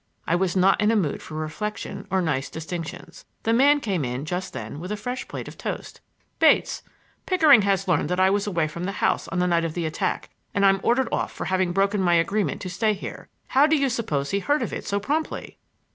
I was not in a mood for reflection or nice distinctions. The man came in just then with a fresh plate of toast. "Bates, Mr. Pickering has learned that I was away from the house on the night of the attack, and I'm ordered off for having broken my agreement to stay here. How do you suppose he heard of it so promptly?"